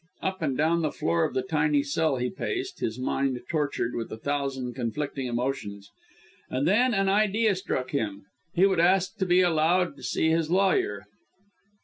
Up and down the floor of the tiny cell he paced, his mind tortured with a thousand conflicting emotions. And then, an idea struck him. He would ask to be allowed to see his lawyer.